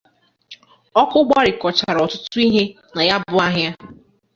ọkụ agbarikọchaala ọtụtụ ihe na ya bụ ahịa.